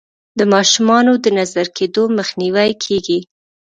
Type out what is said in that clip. د ماشومانو د نظر کیدو مخنیوی کیږي.